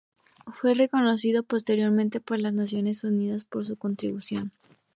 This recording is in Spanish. Fue reconocido posteriormente por las Naciones Unidas por su contribución.